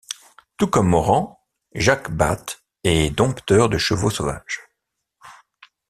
Tout comme Morant, Jack Bates est dompteur de chevaux sauvages.